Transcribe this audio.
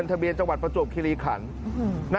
ครึ่งวันอยู่ด้วยกันนะ